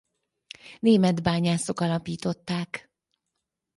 Német bányászok alapították.